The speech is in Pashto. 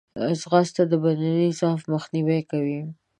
ځغاسته د بدني ضعف مخنیوی کوي